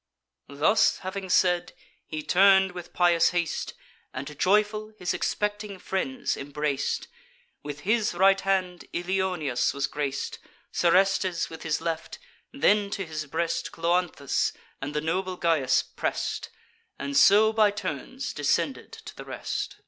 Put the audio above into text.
Thus having said, he turn'd with pious haste, And joyful his expecting friends embrac'd: With his right hand Ilioneus was grac'd, Serestus with his left; then to his breast Cloanthus and the noble Gyas press'd; And so by turns descended to the rest.